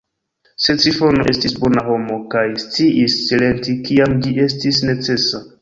Sed Trifono estis bona homo kaj sciis silenti, kiam ĝi estis necesa.